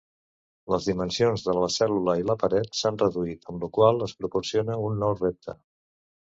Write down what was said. Les dimensions de la cèl·lula i la paret s'han reduït, amb lo qual es proporciona un nou repte.